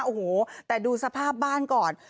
โอ้โหแต่ดูสภาพบ้านก่อน